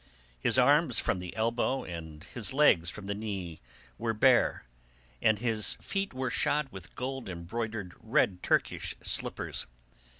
His arms from the elbow and his legs from the knee were bare, and his feet were shod with gold embroidered red Turkish slippers.